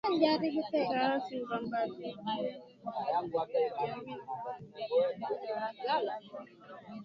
Taasi mbambali ikiwemo Matibabu ya jamii na Zanempilo